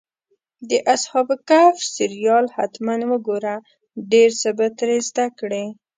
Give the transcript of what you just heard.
د اصحاب کهف سریال حتماً وګوره، ډېر څه به ترې زده کړې.